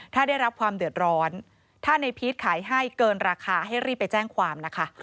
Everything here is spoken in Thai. ถ้าได้รับความเดือดร้อนถ้าในพีชขายให้เกินราคาให้รีบไปแจ้งความนะคะ